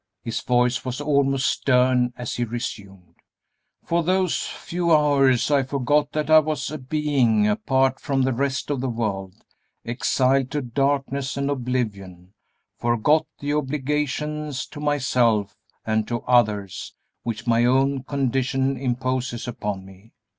His voice was almost stern as he resumed. "For those few hours I forgot that I was a being apart from the rest of the world, exiled to darkness and oblivion; forgot the obligations to myself and to others which my own condition imposes upon me.